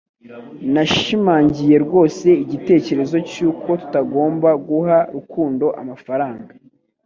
Nashimangiye rwose igitekerezo cy'uko tutagomba guha Rukundo amafaranga